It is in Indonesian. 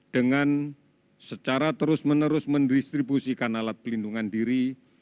dengan secara terus menerus mendistribusikan alat pelindungan diri